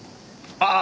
ああ。